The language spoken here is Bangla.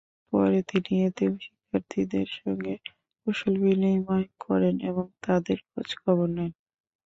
পরে তিনি এতিম শিক্ষার্থীদের সঙ্গে কুশল বিনিময় করেন এবং তাদের খোঁজ-খবর নেন।